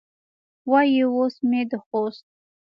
وایي اوس مې د خوست